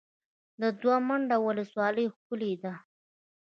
د دوه منده ولسوالۍ ښکلې ده